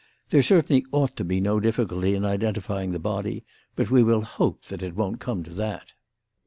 There certainly ought to be no difficulty in identifying the body. But we will hope that it won't come to that.